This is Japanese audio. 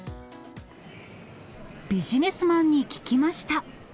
ビジネスマンに聞きました。